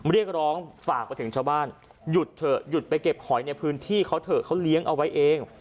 เรียกร้องฝากไปถึงชาวบ้านหยุดเถอะหยุดไปเก็บหอยในพื้นที่เขาเถอะเขาเลี้ยงเอาไว้เอง